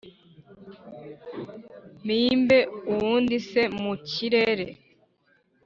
Mpimbe uwundi se mu kirere